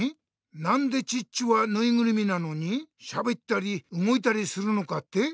なんでチッチはぬいぐるみなのにしゃべったりうごいたりするのかって？